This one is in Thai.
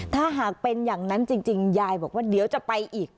ถ้าหากเป็นอย่างนั้นจริงยายบอกว่าเดี๋ยวจะไปอีก